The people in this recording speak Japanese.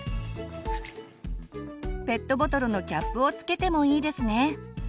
ペットボトルのキャップを付けてもいいですね。